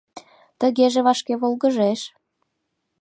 Тыгеже, вашке волгыжеш.